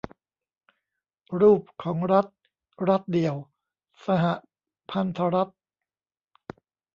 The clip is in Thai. รูปของรัฐ : รัฐเดี่ยว สหพันธรัฐ